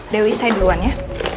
dewi saya duluan ya